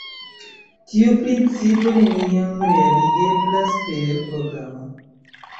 Tiu principo neniam realigeblas per programo.